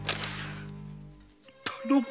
頼む！